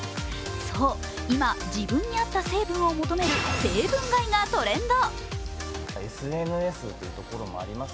そう、今、自分に合った成分を求める成分買いがトレンド。